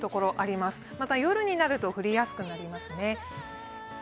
また夜になると降りやすくなりますね。